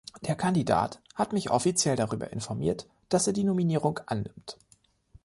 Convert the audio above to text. Der Kandidat hat mich offiziell darüber informiert, dass er die Nominierung annimmt.